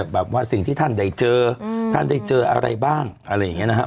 แบบว่าสิ่งที่ท่านได้เจอท่านได้เจออะไรบ้างอะไรอย่างนี้นะครับ